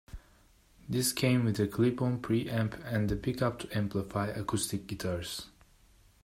This came with a clip-on pre-amp and a pickup to amplify acoustic guitars.